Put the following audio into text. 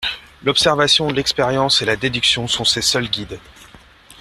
L'observation, l'expérience et la déduction sont ses seuls guides.